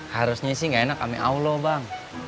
harusnya sih gak enak kami allah bang